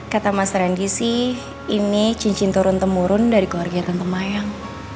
kata mas randy sih ini cincin turun temurun dari keluarga tante mayang